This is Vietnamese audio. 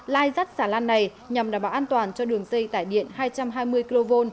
lai dắt xà lan này nhằm đảm bảo an toàn cho đường dây tải điện hai trăm hai mươi kv